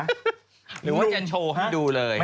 หรือว่าจะโชว์ให้ดูเลย